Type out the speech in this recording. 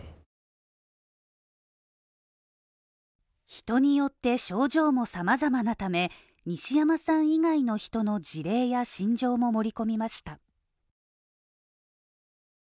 人によって症状も様々なため、西山さん以外の人の事例や心情も盛り込みました。